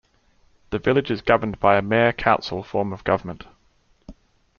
The village is governed by a Mayor-Council form of government.